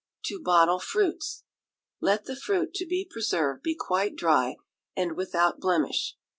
To Bottle Fruits. Let the fruit to be preserved be quite dry, and without blemish.